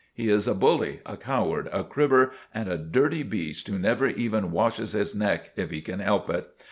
He is a bully, a coward, a cribber and a dirty beast who never even washes his neck if he can help it.